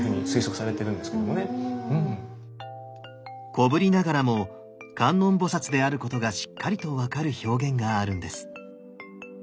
小ぶりながらも観音菩であることがしっかりと分かる表現があるんです。